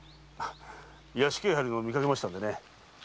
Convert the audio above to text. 屋敷へ入るのを見かけましてね